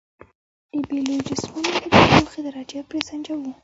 د بیلو جسمونو د تودوخې درجه پرې سنجوو.